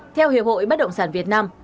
theo hiệp hội bất động sản việt nam